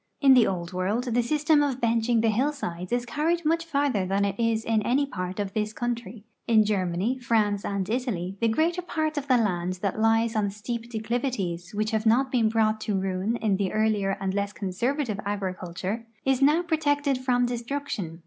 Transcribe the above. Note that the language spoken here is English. In the Old W'orld the system of benching the hillsides is carried much farther than it is in any part of this country. In Germany, France, and Italy the greater }>art of the land that lies on steep declivities which have not been brought to ruin in the earlier and less conservative agriculture is now protected from destruction.